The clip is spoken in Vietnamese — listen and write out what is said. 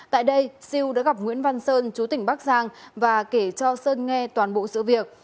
tại đây siêu đã gặp nguyễn văn sơn chú tỉnh bắc giang và kể cho sơn nghe toàn bộ sự việc